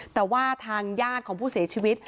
แต่ว่าทางญาติของผู้เสียชีวิต